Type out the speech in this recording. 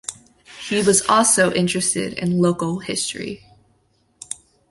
He was also interested in local history.